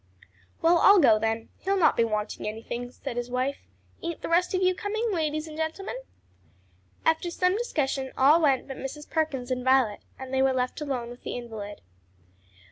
"Well, I'll go then. He'll not be wanting anything." said his wife. "Ain't the rest of you coming, ladies and gentlemen?" After some discussion, all went but Mrs. Perkins and Violet, and they were left alone with the invalid.